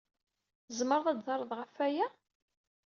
Tzemred ad d-terred ɣef waya?